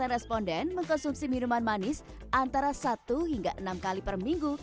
tiga puluh responden mengkonsumsi minuman manis antara satu hingga enam kali per minggu